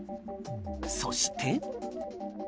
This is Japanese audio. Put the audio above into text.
そして。